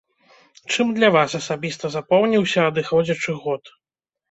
Чым для вас асабіста запомніўся адыходзячы год?